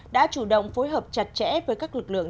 đã chủ động phối hợp chặt chẽ với các lực lượng